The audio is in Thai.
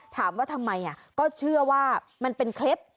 ถามว่าทำไมก็เชื่อว่ามันเป็นเคล็ด